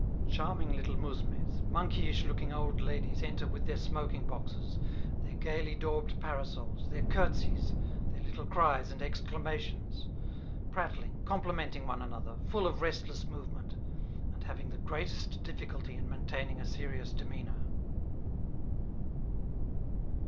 Charming little mousmes, monkeyish looking old ladies enter with their smoking boxes, their gayly daubed parasols, their curtseys, their little cries and exclamations; prattling, complimenting one another, full of restless movement, and having the greatest difficulty in maintaining a serious demeanor.